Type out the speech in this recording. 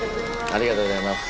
ありがとうございます。